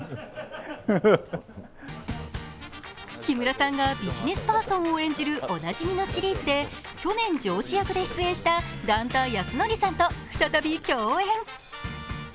木村さんがビジネスパーソンを演じるおなじみのシリーズで去年、上司役で出演した段田安則さんと再び共演。